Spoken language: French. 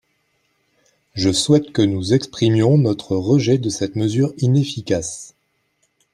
Je souhaite que nous exprimions notre rejet de cette mesure inefficace